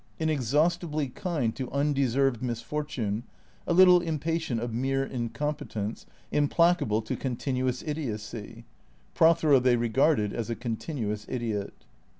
Inexhaust ibly kind to undeserved misfortune, a little impatient of mere incompetence, implacable to continuous idiocy. Prothero they regarded as a continuous idiot.